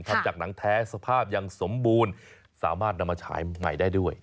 ทำจากหนังแท้สภาพยังสมบูรณ์สามารถนำมาฉายใหม่ได้ด้วย